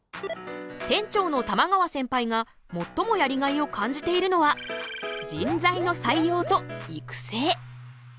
店長の玉川センパイが最もやりがいを感じているのは人材の採用と育成。